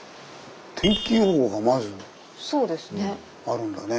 「天気予報」がまずあるんだね。